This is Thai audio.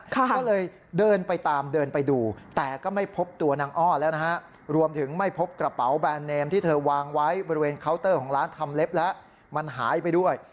ก็เลยเดินไปตามเดินไปดูแต่ก็ไม่พบตัวนางอ้อแล้วนะฮะรวมถึงไม่พบกระเป๋าแบรนด์เนมที่เธอวางไว้บริเวณเคาน์เตอร์ของร้านทำเล็บแล้วมันหายไปด้วย